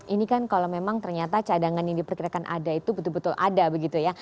ini kan kalau memang ternyata cadangan yang diperkirakan ada itu betul betul ada begitu ya